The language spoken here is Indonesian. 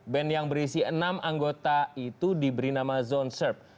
band yang berisi enam anggota itu diberi nama zone surp